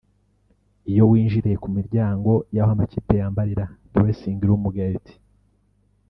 Iyo winjiriye ku miryango y’aho amakipe yambarira (Dressing Room Gate)